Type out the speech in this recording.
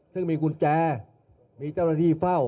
ซึ่งมีกุญแจมีเจ้าหน้าที่เฝ้า